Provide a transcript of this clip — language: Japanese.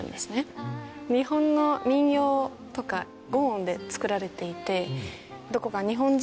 日本の民謡とか５音で作られていて。